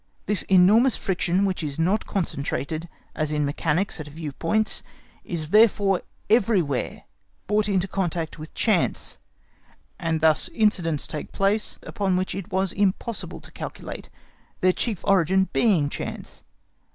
This enormous friction, which is not concentrated, as in mechanics, at a few points, is therefore everywhere brought into contact with chance, and thus incidents take place upon which it was impossible to calculate, their chief origin being chance.